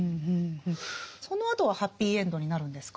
そのあとはハッピーエンドになるんですか？